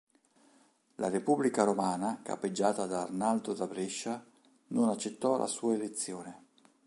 La Repubblica romana, capeggiata da Arnaldo da Brescia, non accettò la sua elezione.